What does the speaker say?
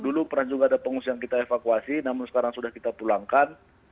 dulu pernah juga ada pengungsi yang kita evakuasi namun sekarang sudah kita pulangkan